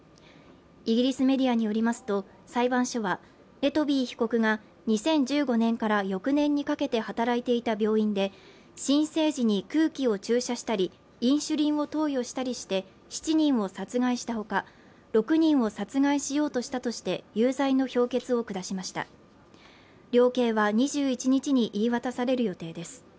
イギリスメディアによりますと裁判所はレトビー被告が２０１５年から翌年にかけて働いていた病院で新生児に空気を注射したりインシュリンを投与したりして７人を殺害した他６人を殺害しようとしたとして有罪の評決を下しました量刑は２１日に言い渡される予定です。